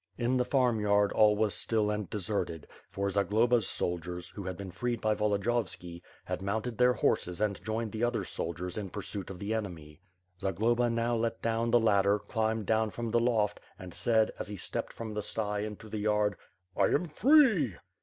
In the farmyard all was still and deserted, for Zagloba's soldiers, who had been freed by Volodiyovski, had mounted their horses and joined the other soldiers in pursuit of the enemy. Zagloba now let down the ladder, climbed down from the loft and said, as he stepped from the sty into the yard: '1 am free.''